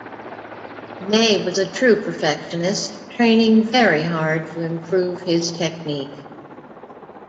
Mey was a true perfectionist, training very hard to improve his technique.